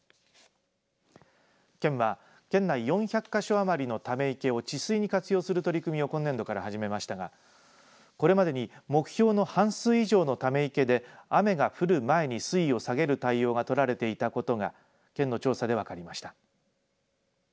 県は、県内４００か所余りのため池を治水に活用する取り組みを今年度から始めましたがこれまでに目標の半数以上のため池で雨が降る前に水位を下げる対応がとられていたことが県の調査で分かりました。